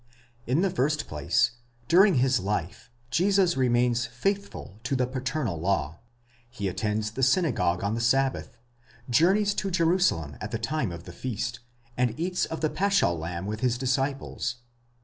In the first place, during his life Jesus remains. faithful to the paternal law ; he attends the synagogue on the sabbath, journeys to Jerusalem at the time of the feast, and eats of the paschal lamb with his disciples.